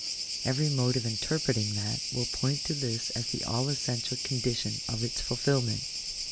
Every mode of interpreting that will points to this as the all essential condition of its fulfilment.